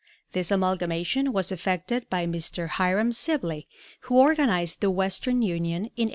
This amalgamation was effected by Mr. Hiram Sibley, who organized the Western Union in 1856.